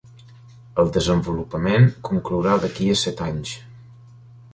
El desenvolupament conclourà d'aquí a set anys.